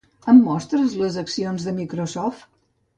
Em mostres les accions de Microsoft?